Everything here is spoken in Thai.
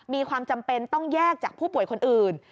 มีความจำเป็นต้องแยกจากผู้ป่วยคนอื่น